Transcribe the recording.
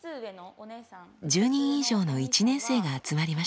１０人以上の１年生が集まりました。